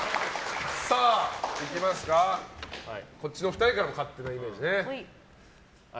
こっちの２人からも勝手なイメージね。